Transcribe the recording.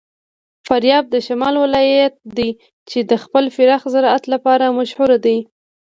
فاریاب د شمال ولایت دی چې د خپل پراخ زراعت لپاره مشهور دی.